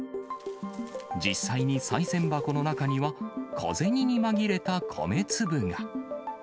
実際にさい銭箱の中には、小銭に紛れた米粒が。